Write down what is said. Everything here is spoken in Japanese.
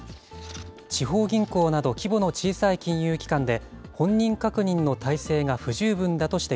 地方銀行など、規模の小さい金融機関で、本人確認の態勢が不十分だと指摘。